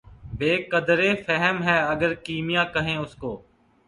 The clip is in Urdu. بہ قدرِ فہم ہے اگر کیمیا کہیں اُس کو